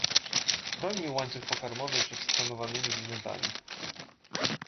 Chrońmy łańcuch pokarmowy przed sklonowanymi zwierzętami